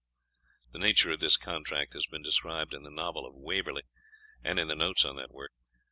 The nature of this contract has been described in the Novel of Waverley, and in the notes on that work.